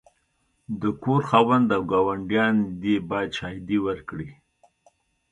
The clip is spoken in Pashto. د کور خاوند او ګاونډیان دي باید شاهدې ورکړې.